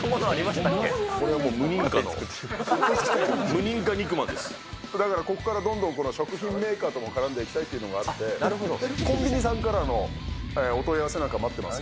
これ、無認可の、無認可肉まだからここからどんどん食品メーカーとも絡んでいきたいというのもあって、コンビニさんからの問い合わせも待ってます。